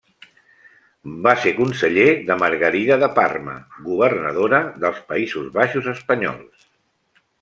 Va ser conseller de Margarida de Parma, governadora dels Països Baixos espanyols.